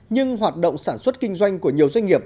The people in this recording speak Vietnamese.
nhưng hoạt động sản xuất kinh doanh của nhiều doanh nghiệp